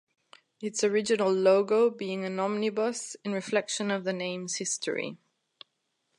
Its original logo being an omnibus in reflection of the name's history.